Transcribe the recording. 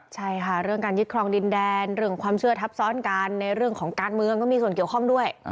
ใช่ค่ะเรื่องการยึดครองดินแดนเรื่องความเชื่อทับซ้อนกันในเรื่องของการเมืองก็มีส่วนเกี่ยวข้องด้วย